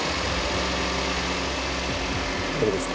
どうですか？